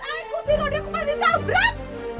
aku sih rodi aku paling sabrak